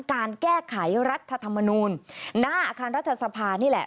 การแก้ไขรัฐธรรมนูลหน้าอาคารรัฐสภานี่แหละ